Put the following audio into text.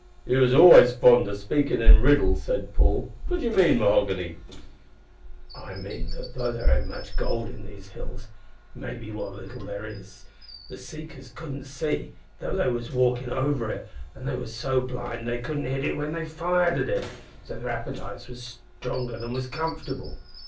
"Ye was always fond o' speakin' in riddles," said Paul. "What d'ye mean, Mahoghany!" "I mean that though there ain't much gold in these hills, maybe, what little there is the seekers couldn't see, though they was walkin' over it, an' they was so blind they couldn't hit what they fired at, so their appetites was stronger than was comfortable.